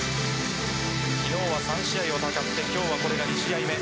昨日は３試合を戦って今日はこれが２試合目。